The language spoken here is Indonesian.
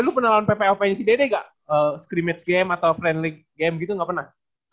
lu pernah lawan ppop nya si dede gak scrimmage game atau friendly game gitu gak pernah